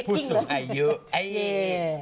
พูดสูงอายุ